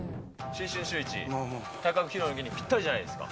新春シューイチ体格披露の儀にぴったりじゃないですか。